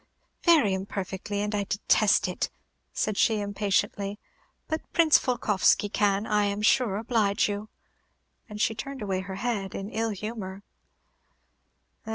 "Very imperfectly, and I detest it," said she, impatiently; "but Prince Volkoffsky can, I am sure, oblige you." And she turned away her head, in ill humor.